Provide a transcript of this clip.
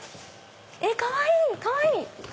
かわいいかわいい！